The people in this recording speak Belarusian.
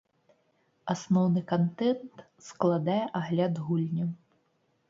Асноўны кантэнт складае агляд гульняў.